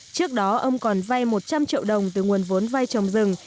trước đó ông còn vay một trăm linh triệu đồng từ nguồn vốn vay trồng rừng